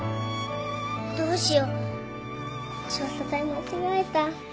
どうしよう調査隊間違えた。